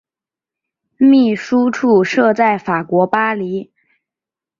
秘书处设在法国巴黎。